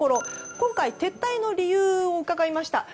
今回、撤退の理由を伺いました。